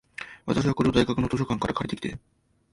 私は、これを大学の図書館から借りてきて、